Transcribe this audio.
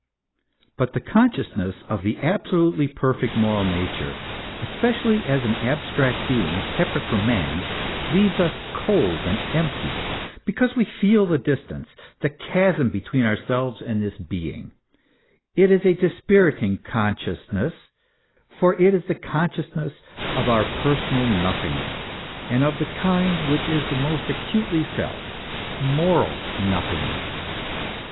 But the consciousness of the absolutely perfect moral nature, especially as an abstract being separate from man, leaves us cold and empty, because we feel the distance, the chasm between ourselves and this being ; it is a dispiriting consciousness, for it is the consciousness of our personal nothingness, and of the kind which is the most acutely felt moral nothingness.